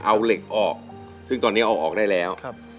เอาเหล็กออกซึ่งตอนนี้เอาออกได้แล้ว